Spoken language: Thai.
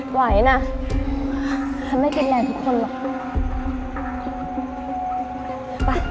ไหวนะฉันไม่กินแรงทุกคนหรอก